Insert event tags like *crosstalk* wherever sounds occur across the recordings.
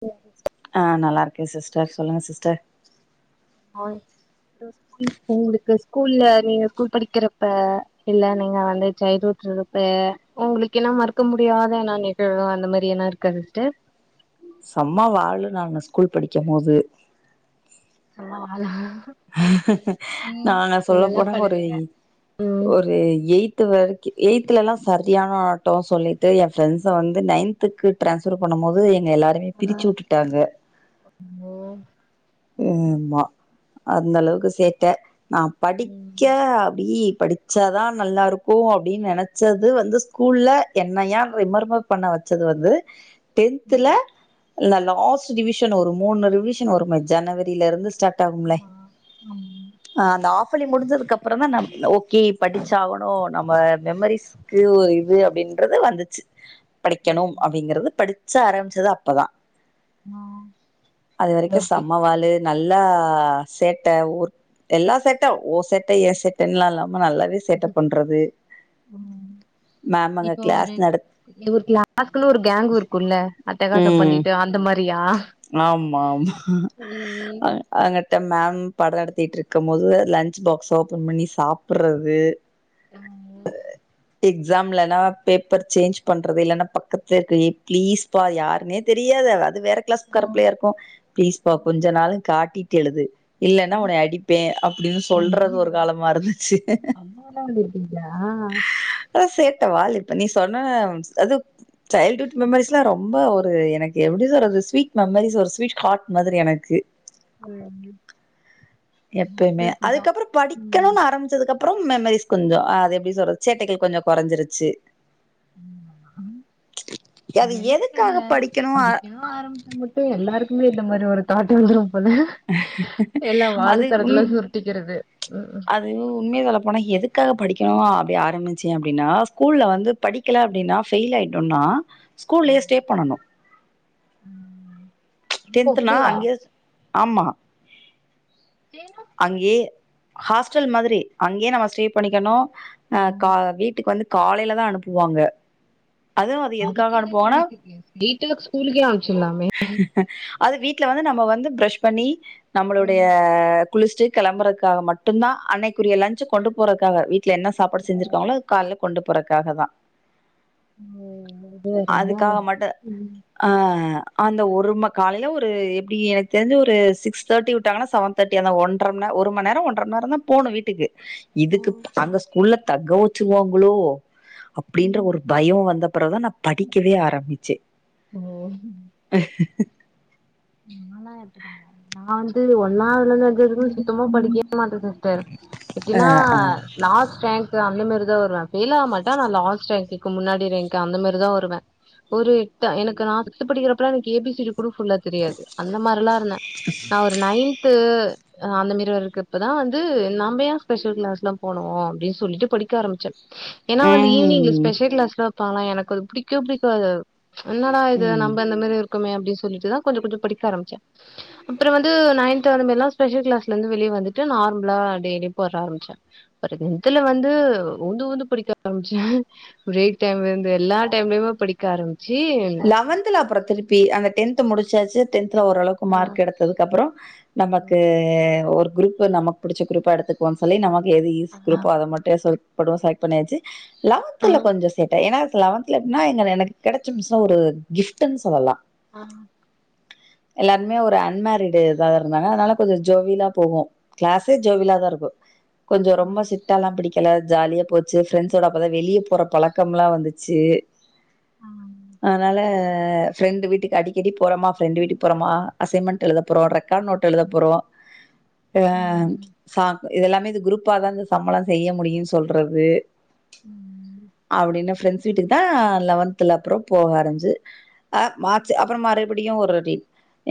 சேரி சேரி ஆ நல்லா இருக்கே சிஸ்டர் சொல்லுங்க சிஸ்டர் ஆ உங்களுக்கு ஸ்கூல்ல நீங்க ஸ்கூல் படிக்கிறப் ப இல்ல நீங்க வந்து சைல்ட்குட் இருக்குறப்ப உங்களுக்கு என்ன மறக்க முடியாதன நிகழ்வு அந்த மாறி ஏதுனா இருக்கா சிஸ்டர் செம்ம வாலு நானு ஸ்கூல் படிக்கும் போது ஆ நாங்க சொல்ல போன ஒரு பண்ணுவீங்க ம் ஒரு எயித் து வரைக்கு எய்த்லல்லா சரியான ஆட்டோ சொல்லிட்டு ஏ ஃப்ரெண்ட்ஸ வந்து நைன்த் துக்கு டிரான்ஸ்வர் பண்ணம்மோது எங்க எல்லாரையுமே பிரிச்சி உட்டுட்டாங்க ஓ ம் ஆமா அந்த அளவுக்கு சேட்ட நா படிக்க ம் அப்டி படி ச்சாதா நல்லா இருக்கு அப்டின்னு நெனைச்சது வந்து ஸ்கூல்ல என்னையா ரொம்ப ரொம்ப பண்ண வச்சது வந்து டென்த்துல இந்த லாஸ்ட் டிவிஷன் ஒரு மூணு ரிவிஷன் வருமே ஜனவரில இருந்து ஸ்டார்ட் ஆகும்ல ஆமா ஆமா ஆ அந்த ஆஃபேலி முடிஞ்சதுக்கு அப்பறந்தா நம் ஓகே படிச்சாவனு நம்ம மெமரிஸ் ஓ இது அப்டின்றது வந்துச்சு படிக்கணும் அப்டிங்கறது படிச்ச ஆரம்பிச்சது அப்பதா ஆ அது வரைக்கு லவ்லி செம்ம வாலு நல்லா சேட்டை ஊர் எல்லா சேட்ட ஓ சேட்ட ஏ சேட்டன்லா இல்லாம நல்லாவே சேட்ட பண்றது ம் மேம் அங்க க்ளாஸ் நடத் இது ஒரு கிளாஸ்க்குன்னு ஒரு கேங்க் இருக்குல்ல அட்டகாசோ ம் பண்ணிட்டு அந்த மாரியா ஆமா ஆமா ம் அங்குட்டு மேம் பாடம் நடத்திட்டு இருக்கும் போது லன்ச் பாக்ஸ் ஓபன் பண்ணி சாப்ட்றது நாங்கோ எக்ஸாம்லன்னா பேப்பர் சேஞ்ச் பண்றது இல்லன்னா பக்கத்லருக்க ஏ ப்ளீஸ் ப்பா அது யாருன்னே தெரியாது அது வேற கிளாஸ்க்காற பிள்ளையா இருக்கு பிளீஸ்ப்பா கொஞ்சனாலு காட்டிட்டு எழுது இல்லன்னா ஒன்னய அடிப்பே அப்டின்னு சொல்றது ஒரு காலமா இருந்துச்சு முட்ட வாங்கிருக்கீங்களா அதா சேட்ட வாலு இப்ப நீ சொன்ன ஒன்னதா அது சைல்ட்ஹுட் மெமரிஸ்லா ரொம்ப ஒரு எனக்கு எப்டி சொல்றது ஸ்வீட் மெமரிஸ் ஒரு ஸ்வீட் ஹார்ட் மாதிரி எனக்கு போலாமா எப்பயுமே அதுக்கப்புறோ ம். படிக்கணுன் ஆரம்பிச் ச்சதுக் அப்றம் மெமரிஸ் கொஞ்சோ ஆ அது எப்டி சொல்றது சேட்டைகள் கொஞ்சோ கொறஞ்சுருச்சு ஆமா. ம்ச் அது என்னன்னு தெரியல எதுக்காக படிக்கணு அ படிக்கணும் ஆரம்பிச்சா மட்டு எல்லாருக்குமே இந்த மாரி ஒரு தாட்டு வந்துரு போல எல்லா வாலு அது தடத்துலா சுருட்டிக்கிறது ம்ம் அன் உண்மைைய சொல்ல போனா எதுக்காக படிக்கணு அப்டி ஆரம்பிச்சே அப்டின்னா ஸ்கூல்ல வந்துப் படிக்கல அப்படின்னா ஃபெயில் ஆயிடோம்னா ஸ்கூல்லயே ஸ்டே பண்ணனு ம். ஓ டென்த்னா அப்படியா அங்கேஸ் ஆமா சேரிங்க அங்யே ஹாஸ்டல் மாதிரி அங்யே நம்ம ஸ்டே பண்ணிக்கணு ஓ அ கா வீட்டுக்கு வந்து காலைல தா அனுப்புவாங்க அதுவு அது எதுக்காக அதுக்கெதுக்கு அனுப்புவாங்கன்னா வீட்டுக்கு வீட்டுல ஸ்கூலுக்கே அம்ச்சுர்லாமே அ அது வீட்ல வந்து நம்ப வந்து ப்ரஷ் பண்ணி நம்மளுடைய ம். குளிச்ட்டு கெளம்பறக்காக மட்டுந்தா அன்னைக்குரிய லஞ்சு கொண்டு போறக்காக வீட்ல என்ன சாப்பாடு ஓ, செஞ்சிருக்காங்ளோ அத் கால்ல கொண்டு போறதுக்காக தா ஓ, இது வேறயா அதுக்காக மட்டு ம். ஆ அந்த ஒரும காலையில ஒரு எப்படி எனக்கு தெரிஞ்சு ஒரு சிக்ஸ் தேர்ட்டி விட்டாங்கன்னா செவன் தேர்ட் டி அந்த ஒன்றம்ன ஒரு மநேரோ ஒன்றம் நேரோ தா போனு வீட்டுக்கு ஓ இதுக்குப் அங்கஸ் உள்ள தக்க வெச்சுருவாங்களோ அப்டின்ற ம் ஒரு பயோ வந்தப்புறோ தா நா படிக்கவே ஆரம்பிச்சே ஓ நா வந்து ஒன்னாவதுல இருந்து வந் எதுமே சுத்தமா படிக்கவே மாட்டது சார் அ எப்பிடினா லாஸ்ட் ரேங்க்கு அந்த மாரி தா வருவே ஃபெயில் ஆக மாட்டே ஆனா லாஸ்ட் ரேங்க்கு முன்னாடி ரேங்க்கு அந்த மாதிரிதா வருவே ஒரு ட்ட எனக்கு நா சிக்ஸ்த்து படிக்கிறப்பலா எனக்கு ஏபிசிடி கூட ஃபுல்லத் எ அந்த மார்லா இருந்தே நா ஒரு நைன்த்து அ அந்த மேரி வரக்கு இப்பதா வந்து நாம்ப ஏன் ஸ்பெஷல் க்ளாஸ்லா போனு அப்டின் சொல்லிட்டு படிக்க ஆரம்பிச்சே ஏன்னா வந்து ஈவினிங்ல ம் ஸ்பெஷல் க்ளாஸ்லா வப்பாங்ளா எனக்கு அது புடிக்வே புடிக்காது ம்ச் என்னடா இது ம் நம்ம இந்த மாரி இருக்குமே அப்புடி சொல்லிட்டு தா கொஞ்ச கொஞ்ச படிக்க ஆரம்பிச்சே அப்றோ வந்து நைன்த் அந்த மாரிலா ஸ்பெஷல் க்ளாஸ்லந்து வெளிய வந்துட்டு நார்மலா டெய்லி போற ஆரம்பிச்சே பெறகு அது இந்துல வந்து உழுந்து உழுந்து படிக்க ஆரம்பிச்ச ப்ரேக் டைம்ல இருந்து எல்லா டைம்லயுமே படிக்க ஆரம்பி சீன் லெவன்த்ல அப்றோ திருப்பி அந்த டென்த் முடிச்சாச்சு டென்த்துல ஓரளவுக்கு மார்க் எடுத்ததுக்கப்றோ நமக்கு அ ஒரு குரூப்பு நமக்கு புடிச்ச குரூப்பா எடுத்துக்குவோ சொல்லி நமக்கு எது ஈஸி குரூப்போ அத மட்டு சொட் *unintelligible* சேலக்ட் பண்ணியாச்சு லெவத்துல கொஞ்சோ சேட் ஏனா லவன்த்துல எப்டினா எங்கன எனக்கு கெடச்ச மிஸ் என்ன ஒரு கிஃப்ட்டுன் சொல்லலா ஆ எல்லாருமே ஒரு அன் மேரிடு இதா இருந்தாங்க அதனால கொஞ்ச ஜோவிலா போகு கிளாஸே ஜோவிலாதா இருக்கு கொஞ்சோ ரொம்ப சிட் டாலா பிடிக்கல ஜாலியா போச்சு ஃப்ரெண்ட்ஸோட அப்பதா வெளிய போற பழக்கம்லா வந்துச்சு அதனால ஃப்ரெண்ட் வீட்டுக்கு அடிக்கடி போறோமா ஃப்ரெண்டு் வீட்டுக்கு போறோமா அசைன்மெண்ட் எழுத போறோ ரெக்கார்டு நோட் எழுத போறோ ஆ சா இத எல்லாமே இது குரூப்பாதா இந்த சம் எல்லா செய்ய முடியும்னு சொல்றது அப்படின்னு ஃப்ரெண்ட்ஸ் வீட்டுக்கு தான் லெவன்தல அப்றோ போக ஆரம்பிச்சி ஆ மார்ச்சு அப்புறம் மாரிட் அப்படியு ஒரு வரி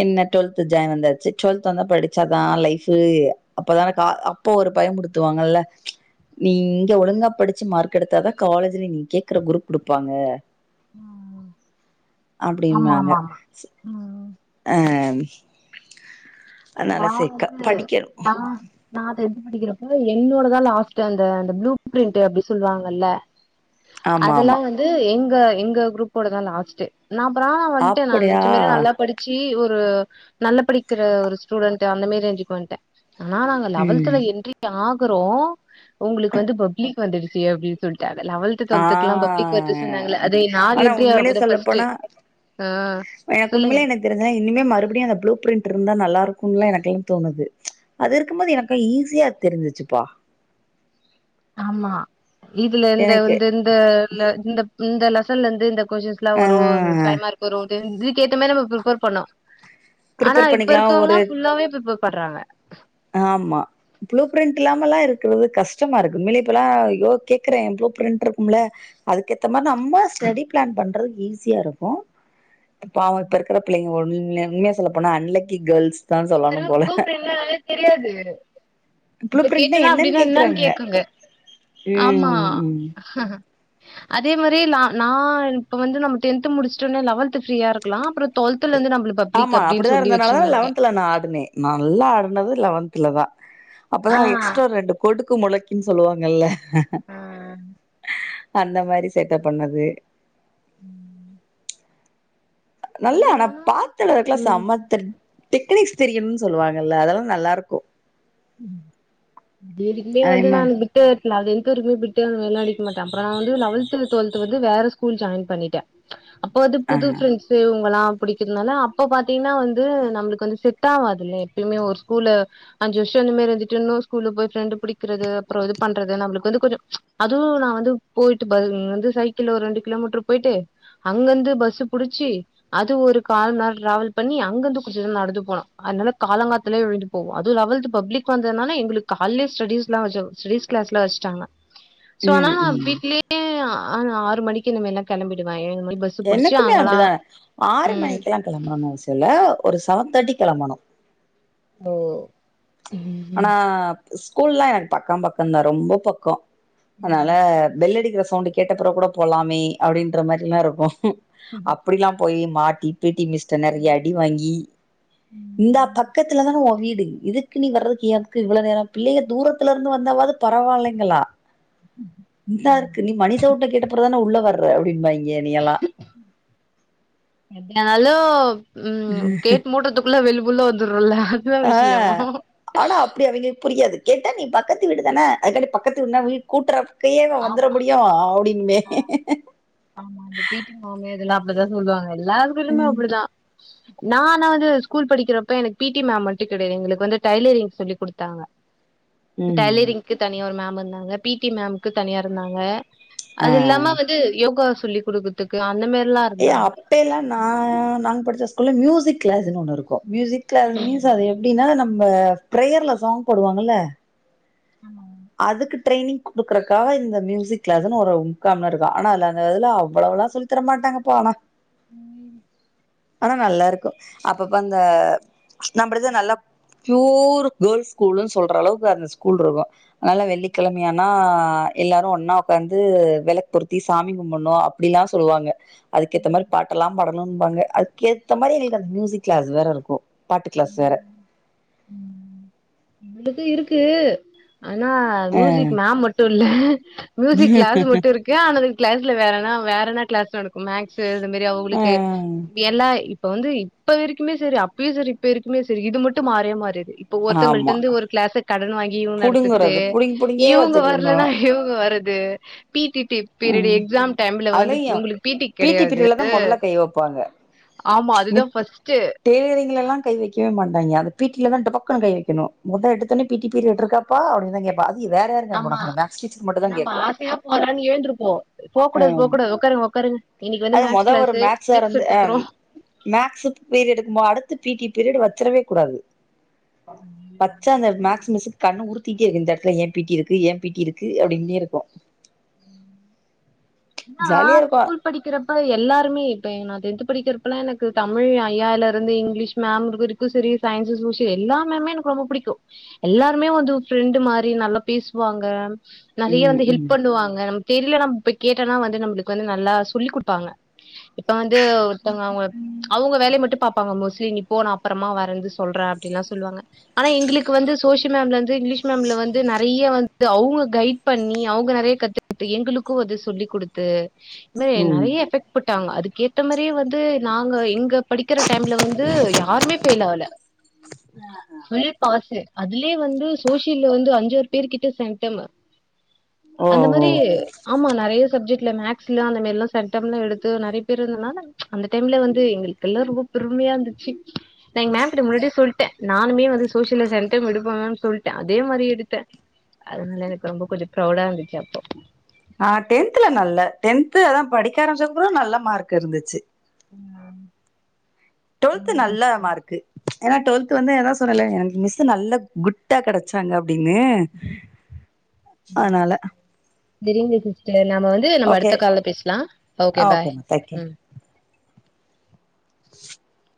என்ன டுவெல்த் ஜாலியா வந்தாச்சு டுவெல்த் வந்து படிச்சாதா லைஃப்பு அப்பதானே கா அப்ப ஒரு பயம்புடுத்துவாங்கல்ல நீ இங்க ஒழுங்கா படிச்சு மார்க் எடுத்தாதா காலேஜ்ல நீங்க கேக்குற குரூப் குடுப்பாங்க உஹம் அப்டின்னாங்க அ அதனால சேக்க படிக்க நா அத எ படிக்கிறப்ப என்னோடதா லாஸ்ட்டு அந்த அந்த ப்ளூ பிரிண்ட் அப்டி சொல்லுவாங்கல்ல ஆமா அதெல்லா ஆமா வந்து எங்க எங்க குரூப்போடதா லாஸ்ட்டு நா அப்புறா வன்ட்டே நா அப்படியா நென்ச்ச மாரி நல்லா படிச்சு ஒரு நல்ல படிக்கிற ஒரு ஸ்டூண்ட் அந்த மாரி ரேஞ்சுக்கு வன்ட்டே ஆனா நாங்க ம். லெவத்ல என்ட்ரி ஆகுறோ உங்ளுக்கு வந்து பப்ளிக் வந்துடுச்சு அப்டின்னு சொல்ட்டாங்க லெவல்த் ஆ டுவெல்த்துக்ல்லா பப்ளிக் வருது சொன்னாங்கள அத நாங்க ஆனா என்ரி உண்மையிலே ஆகுறப்பதா சொல்ல ஃபஸ்ட்டு போனா *unintelligible* அ எனக்கு சொல்லுங்க *unintelligible* இனிமே மறுப்டியு அந்த ப்ளூ பிரிண்ட் இருந்தா நல்லாருக்கும்ல எனக்குலா தோணுது அது இருக்கும்போது எனக்கு ஈஸியா தெரிஞ்சிச்சுப்பா ஆமா இதுல இந்த எனக்கு இந்த இந்த இந்த லெசன்ல இருந்து இந்த கொஸ்டின்ஸ்ல்லா ஆ வரு பைவ் மார்க் வரு இது இதுக்கு ஏத்த மாதிரி நம்ம பிரிபேர் பண்ணோ ஆனா ப்ரிப்பேர் இப்ப பண்ணிக்கலா ஒரு இருக்கவங்லா ஃபுல்லாவே பிரி பேர் பண்றாங்க ஆமா ப்ளூ பிரிண்ட் இல்லாமல்லா இருக்கிறது கஷ்டமா இருக்கு உண்மைல இப்பெல்லா யோ கேக்குறே ப்ளூ பிரிண்ட் இருக்கும்ல அதுக்கேத்த மாரி நம்ம ஸ்டடி பிளான் பண்றது ஈஸியா இருக்கு பாவு இப்ப இருக்கிற பிள்ளைங்க உண்ம உண்மையா சொல்ல போனா அன்லக்கி கேல்ஸ் இப்ப இருக்ற ப்ளு பிரின்ட்னா என்னனே தெரியாது ப்ளூ இப்ப பிரிண்ட்னா கேட்டனா என்னன்னு அப்படின்னா என்னனு கேக்குறாங்க கேக்குங்க ஆமா ம் ம் அதே மாரி நா நா இப்ப வந்து நம்ம டென்து முடிச்ட்டோனே லெவன்த் ஃபிரீயா இருக்லா அப்ரோ டுவெள்த்துல இருந்து நம்ம பப்ளிக் அப்டின்னு சொல்லி வச்சிருந்தாங்க ந ஆடுனே நல்லா ஆடுனது லெவன்த்ல தா அப்பதா எக்ஸ்ட்ரா ரெண்டு கொடுக் மொளைக்கு சொல்லுவாங்கல்ல அந்த மாரி சேட்ட பண்ணது ம் நல்ல ஆனா பாத்து எழுதுறதுக்கெல்லா ம் செம டெக்னிக்ஸ் தெரியணுனு சொல்லுவாங்கல்ல அதெல்லா நல்லா இருக்கு வேணுக்னே நானு அதே வந்து மா *unintelligible* அதுலேருந்து *unintelligible* பிட்டு அந்தமாரில்லா அடிக்கமாட்டே அப்புறோ நா வந்து லெவன்த் டுவல்த் வந்து வேற ஸ்கூல் ஜாயின் பண்ணிட்டே அப்போ அது ஆ புது ஃபிரண்ட்ஸ் இவங்களா புடிக்கிறதுனால அப்போ பாத்திங்கன்னா வந்து நம்ளுக்கு வந்து செட் ஆவாதுல்ல எப்பயுமே ஒரு ஸ்கூல அஞ்சு வர்ஷோ அந்த மாதிரி இருந்துட்டு இன்னோரு ஸ்கூல போய் ஃப்ரெண்டு புடிக்கறது அப்றோ இது பண்றது நம்ளுக்கு வந்து கொஞ்சோ அதுவு நா வந்து பொய்ட்டு ப வந்து சைக்கிள்ள ஒரு ரெண்டு கிலோமீட்டர் பொயிட்டு அங்கருந்து பஸ் புடிச்சி அது ஒரு கால்ம்நேரோ டிராவல் பண்ணி அங்கருந்து கொஞ்சோ தூரோ நடந்து போனு அதுனால காலங்காத்தலயே எழுந்து போவோ அது லெவல்த் பப்ளிக் வந்ததுனால எங்களுக்கு காலையே ஸ்டடிஸ்ல்லா ஸ்டிஸ் கிளாஸ்ல வச்ட்டாங்க சோ ஆனா ம் ம் வீட்லியே ஆ ஆறு மணிக்கு இந்தமாரில்லா கிளம்பிடுவே எனக்குமே அப்டிதா ஆறு மணிக்குல்லா கெளம்பணு அவசியமோ இல்ல ஒரு செவன் தேட்டிக்கு கெளம்பணு ஓ ஆனா ஸ்கூல்ல எனக்கு பக்கோ பக்கோ தா ரொம்ப பக்கோ அதனால பெல் அடிக்கிற சவுண்டு் கேட்டப்பெறமகு கூட போலாமே அப்டின்ற மாரில்லா இருக்கு அப்டில்லா போய் மாட்டி பீட்டி மிஸ்ட நெறைய அடி வாங்கி இந்த பக்கத்துல தான ஓ வீடு இதுக்கு நீ வர்றது எ அதுக்கு இவ்ளவு நேரோ பிள்ளைங்க தூரத்துல இருந்து வந்தாவது பரவாயில்லைங்களா இந்தா இருக்கு நீ மணி சவுண்ட கேட்ட அப்புற தானே உள்ள வர்ற அப்டிபாங்க என்னை யெல்லா என்னாலு ம் கேட் மூட்றது குள்ள வெளி புல்லா வந்துறல்ல ஆ ஆனா அப்டி அவிங்களு புரியாது கேட்டா நீ பக்கத்து வீடு தான அதுக்காடி பக்கத்து வீடுனா வி கூட்டறப்பகேய ஆமா வந்துட முடியு அப்டிம்பே ஆமா அந்த பீ டீ மாமே இதெல்லா அப்டிதா சொல்லுவாங்க எல்லா பீரியட் அப்டிதா நான்னா வந்து ஸ்கூல் படிக்கிறப்ப எனக்கு பி டி மேம் மட்டு கிடையாது எங்களுக்கு வந்து டைலரிங் சொல்லி குடுத்தாங்க ம் டெய்லரிங்க்கு தனிய ஒரு மேம் இருந்தாங்க பி டி மேம் தனியா இருந்தாங்க ஆ அது இல்லாம வந்து யோகா சொல்லி் குடுக்கறதுக்கு அந்த மாரில்லா ஏய் அப்ப எல்லா நா நாங்க படிச்ச ஸ்கூல்ல மியூசிக் கிளாஸ் ஒண்ணு இருக்கு மியூசிக் கிளாஸ் மீன்ஸ் அது எப்டின்னா நம்ம பிரேயர்ல சாங் போடுவாங்கல்ல ஆமா அதுக்கு ட்ரைனிங் குடுக்குறக்காக இந்த மியூசிக் கிளாஸ்ன்னு ஒரு முக்கா மணி நேரோ இருக்கு ஆனா அந்த இதுல அவ்வளவுல்லா சொல்லி பத்திரமாட்டங்கபா ஆனா ம் ஆனா நல்லா இருக்கு அப்பப்ப அந்த நம்ளது நல்லா பியூர் கேர்ள்ஸ் ஸ்கூல்ன்னு சொல்ற அளவுக்கு அந்த ஸ்கூல் வருவா அதனால வெள்ளிக்கிழமையானா எல்லாரு ஒன்னா உக்காந்து வெளக்கு பொருத்தி சாமி கும்பிடணு அப்டிலா சொல்லுவாங்க அதுக்கேத்த மாரி பா எல்லா படணும்னுபாங்க அதுக்கேத்த மாரி எங்களுக்கு அந்த மியூசிக் கிளாஸ் வேற இருக்கு பாட்டு கிளாஸ் வேற ம் எங்களுக்கு இருக்கு ஆனா அ மியூசிக் மேம் மட்டு இல்ல மியூசிக் கிளாஸ் மட்டு இருக் கு ஆனது கிளாஸ்ல வேறன வேற என்ன கிளாஸ் நடக்கு மேக்ஸ் இது மாதி அ அவங்களுக்கு எல்லா இப்ப வந்து இப்ப வரைக்குமே சரி அப்பயு சரி இப்ப இருரைக்குமே சரி இது மட்டு மாறவே மாறது இப்ப ஒருத்தவங்களிட்ட ஆமா இருந்து ஒரு கிளாஸ கடன் வாங்கி இவ்ங்க நடத்துட்டு புடுங்குறது புடுங்கி புடுங்கியே இவ்ங்க வச்சுக்கணு வரலன்னா இவ்ங்க வரது பீட்டி டி பீரியட ம் எக்ஸாம் டைம்ல வந்து அதுலயு உங்களுக்கு பி டி கெடையாது பீரியட்ல தா மொதல்ல கை வைப்பாங்க ஆமா அதுதா ஃபஸ்ட்ட் டெய்லரிங் எல்லா கை வெக்கவே மாட்டாய்ங்க அ பீட்டில தா டபக்குனு கை வெக்கணு மொத எடுத்தோனே பி டி பீரியட் இருக்கா அப்பா அப்டினுத கேப்பா அது வேற யாரு கேக்க மாட்டாங்க இந்த மேக்ஸ் டீச்சர் மட்டும்தா கேக்கு ஆனா நீ எழுந்திருப்போ போகூடாது போகூடாது உக்காருங்க உக்காருங்க இன்னைக்கி வந்து அது மேக்ஸ் மொத ஒரு கிளாஸு சார் மேக்ஸ் வந்து எடுத்து போறோ மேக்ஸ் பீரியடு இருக்கு அடுத்த பி டி பீரியட் வச்சரவே கூடாது வச்சா இந்த மேக்ஸ் மிஸ் கண்ணு உருத்திட்டே இருக்கு இந்த இடத்துல ஏன் பீ டி இருக்கு ஏன் பீ டி இருக்கு அப்டின்னே இருக்கு நா ஜாலியா இருக்கு ஸ்கூல் படிக்கிறப்ப எல்லாருமே இப்ப நா டென்த் படிக்கிறப்பல்லா எனக்கு தமிழ் ஐயாயில இருந்து இங்கிலீஷ் மேம் இரு ந்து சயின்ஸ் சோசியல் எல்லா மேமே எனக்கு ரொம்ப புடிக்கு எல்லாருமே வந்து ஃப்ரெண்டு மாரி நல்லா பேசுவாங்க நெறைய ம் வந்து ம் ஹெல்ப் பண்ணுவாங் க தெரியலன்னா நம்ம போய் கேட்டனா வந்து நம்ம வந்து நல்லா சொல்லி் குடுப்பாங்க இப்ப வந்து ஒருத்தவங்க அவங்கள அவுங்க வேலைய மட்டு பாப்பாங்க மோஸ்லி நீ போ நா அப்புறமா வரந்து சொல்றே அப்டின்ல்லா சொல்லுவாங்க ஆனா எங்களுக்கு வந்து சோசிய மேம்லருந்து இங்கிலீஷ் ம்ல வந்து நறைய வந்து அவுங்க கைட் பண்ணி அவுங்க நறைய கத்து ட்டு எங்களுக்கு அது சொல்லி குடுத்து இது மாரி ம் நறைய எஃபெக்ட் புட்டாங்க அதுக்கேத்த மாரியே வந்து நாங்க எங்க படிக்குற டைம்ல வந்து யாருமே ஃபெயில் ஆல ஃபுல் பாசு அதுலே வந்து சோஷியல்ல வந்து அஞ்சாரு பேர் கிட்ட செண்ட்டம் ஓ அந்த மார் ஓ ஆமா நறைய சப்ஜெக்ட்ல மேக்ஸ்ல அந்த மேதிரலாம் சென்டம்னு எடுத்து நறைய பேரு இருந்தனால அந்த டைம்ல வந்து எங்களுக்கெல்லா ரொம்ப பெருமையா இருந்துச்சு நா எங்க மேம் கிட்ட முன்னாடியே சொல் ட்ட நானுமே வந்து ஸோஷியல்ல சென்டம் எடுப்ப மேம் சொல்ட்ட அதே மாரி எடுத்த அதுனால எனக்கு ரொம்ப கொஞ்சோ ப்ரௌடா இருந்துச்சப்போ ஆ டென்த்ல நல்ல டென்து அதா படிக்க ஆரம்ச்ச அப்ரோ நல்ல மார்க் இருந்துச்சு ம் ட்டொல்த் நல்ல மார்க்கு ஏன்னா ட்டொல்த்து வந்து அதா சொன்னல எனக்கு மிஸ்ஸு நல்லா குட்டா கெடச்சாங்க அப்டின்னு அதனால தெரியுது சிஸ்டர் நாம வந்து நம்ம ஓகே அடுத்த கால்ல பேசிக்லா ஓகே பாய் ஓகேமா தேங்க்யூ ம் *inaudible*